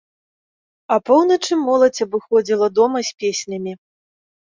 Апоўначы моладзь абыходзіла дома з песнямі.